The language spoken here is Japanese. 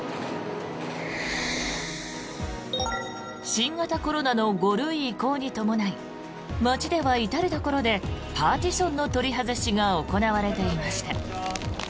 新型コロナの５類移行に伴い街では、至るところでパーティションの取り外しが行われていました。